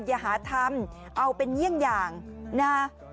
อย่าหาทำเอาเป็นเยี่ยงอย่างนะ